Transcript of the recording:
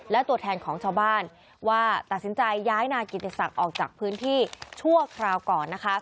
และตัวแทนของชาวบ้านว่าตัดสินใจย้ายนายกิติศักดิ์ออกจากพื้นที่ชั่วคราวก่อนนะคะ